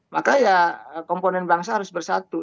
maka ya komponen bangsa harus bersatu